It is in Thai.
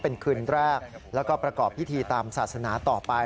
เป็นคืนแรกแล้วก็ประกอบพิธีตามศาสนาต่อไป